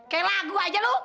kayak lagu aja lu